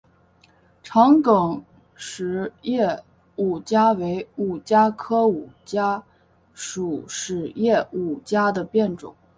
长梗匙叶五加为五加科五加属匙叶五加的变种。